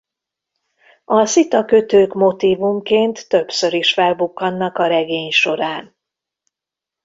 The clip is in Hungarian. A szitakötők motívumként többször is felbukkannak a regény során.